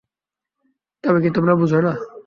তবে কি তোমরা বুঝ না?